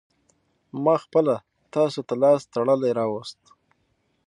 ما خپله تاسو ته لاس تړلى راوستو.